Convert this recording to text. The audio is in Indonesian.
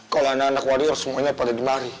kalau anak anak waris semuanya pada dimari